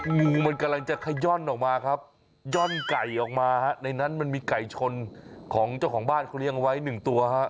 หมูมันกำลังจะย่อนออกมาครับย่อนไก่ออกมาในนั้นมันมีไก่ชนของเจ้าของบ้านเครียงไว้๑ตัว